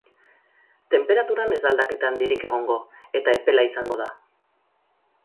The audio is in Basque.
Tenperaturan ez da aldaketa handirik egongo, eta epela izango da.